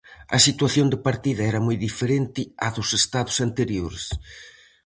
A situación de partida era moi diferente á dos estados anteriores.